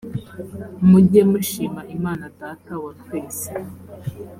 mujye mushima imana data wa twese